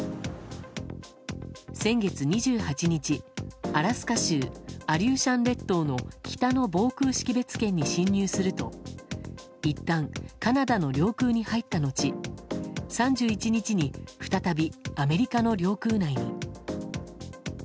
先月２８日、アラスカ州アリューシャン列島の北の防空識別圏に侵入するといったんカナダの領空に入った後３１日に再びアメリカの領空内に。